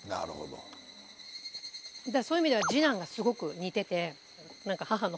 そういう意味では二男がすごく。